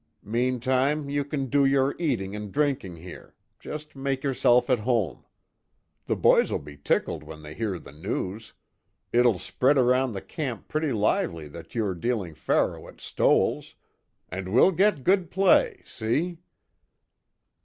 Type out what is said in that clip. Meantime you can do your eating and drinking here just make yourself at home. The boys'll be tickled when they hear the news it'll spread around the camp pretty lively that you're dealing faro at Stoell's, and we'll get good play see."